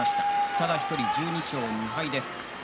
ただ１人、１２勝２敗です。